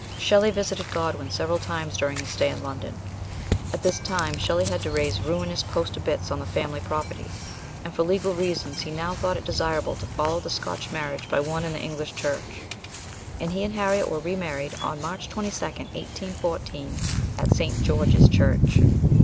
Shelley visited God win several times during his stay in London. At this time Shelley had to raise ruinous post obits on the family property, and for legal reasons he now thought it desirable to follow the Scotch marriage by one in the English church, and he and Harriet were re married on March 22, 1814, at St. George's Church.